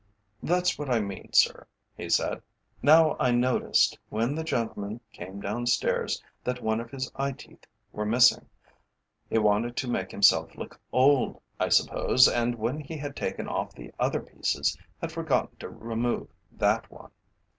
"That's what I mean, sir," he said. "Now I noticed, when the gentleman came downstairs, that one of his eye teeth were missing. He wanted to make himself look old, I suppose, and when he had taken off the other pieces, had forgotten to remove that one.